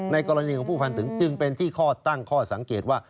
กรณีของผู้พันถึงจึงเป็นที่ข้อตั้งข้อสังเกตว่า